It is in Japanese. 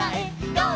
ゴー！」